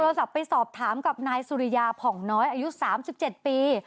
ไปสอบถามกับนายสุริยาผ่องน้อยอายุ๓๗ปี